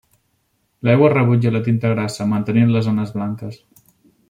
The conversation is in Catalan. L'aigua rebutja la tinta grassa, mantenint les zones blanques.